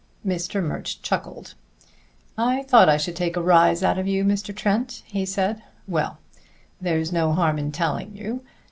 Mr. Murch chuckled. "I thought I should take a rise out of you, Mr. Trent," he said. "Well, there's no harm in telling you.